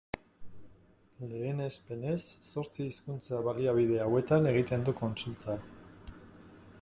Lehenespenez, zortzi hizkuntza-baliabide hauetan egiten du kontsulta.